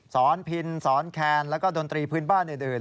พินสอนแคนแล้วก็ดนตรีพื้นบ้านอื่น